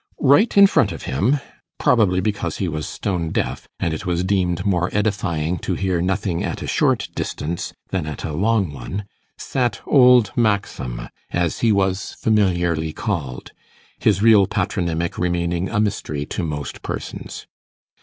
Right in front of him probably because he was stone deaf, and it was deemed more edifying to hear nothing at a short distance than at a long one sat 'Old Maxum', as he was familiarly called, his real patronymic remaining a mystery to most persons.